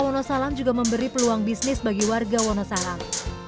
wonosalam juga memberi peluang bisnis bagi warga wonosalam